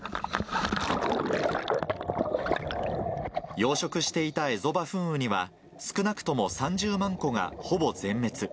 養殖していたエゾバフンウニは、少なくとも３０万個がほぼ全滅。